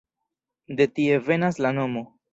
De tie venas la nomo.